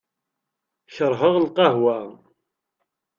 Keṛheɣ lqahwa.